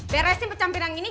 beresin pecah piring ini